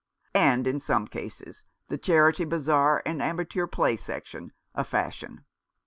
"And in some cases — the Charity Bazaar and amateur play section — a fashion.